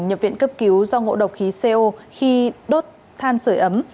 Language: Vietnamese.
nhập viện cấp cứu do ngộ độc khí co khi đốt than sửa ấm